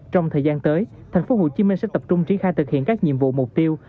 trong thời gian tới tp hcm sẽ tập trung triển khai thực hiện các nhiệm vụ mục tiêu